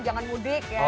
jangan mudik ya